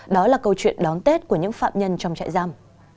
đó là câu chuyện đón tết của những phạm nhân trong trại giam